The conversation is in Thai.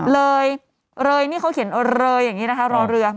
เลยเลยนี่เขาเขียนเลยอย่างนี้นะคะรอเรือ